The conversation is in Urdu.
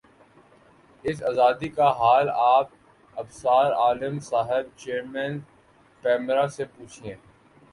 اس آزادی کا حال آپ ابصار عالم صاحب چیئرمین پیمرا سے پوچھیے